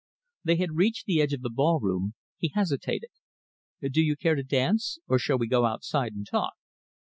They had reached the edge of the ballroom. He hesitated. "Do you care to dance or shall we go outside and talk?"